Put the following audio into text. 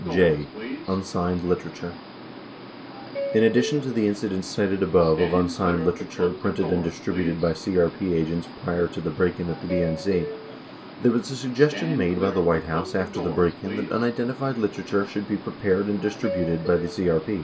j. Unsigned Literature In addition to the incidents cited above of unsigned literature printed and distributed by CEP agents prior to the break in at the DNC, S1 there Avas a suggestion made by the White House after the break in that unidentified literature should be prepared and distrib uted by the CEP.